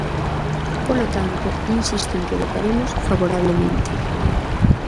Polo tanto, insisto en que votaremos favorablemente.